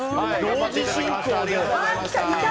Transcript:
同時進行で。